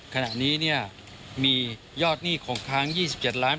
ขณะนี้เนี้ยมียอดหนี้คลอมค้างยี่สิบเจ็ดล้าน